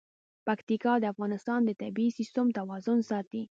پکتیکا د افغانستان د طبعي سیسټم توازن ساتي.